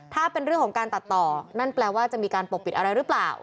ถ้าเป็นเรื่องของการตัดต่อนั่นแปลว่าจะมีการปกปิดอะไรหรือเปล่า